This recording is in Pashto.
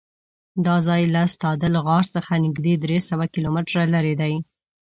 دا ځای له ستادل غار څخه نږدې درېسوه کیلومتره لرې دی.